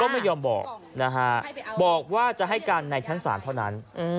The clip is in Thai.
ไม่ยอมบอกนะฮะบอกว่าจะให้การในชั้นศาลเท่านั้น